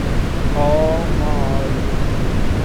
آمال